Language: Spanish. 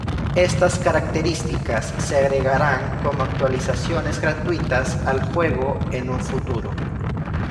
Estas características se agregarán como actualizaciones gratuitas al juego en un futuro.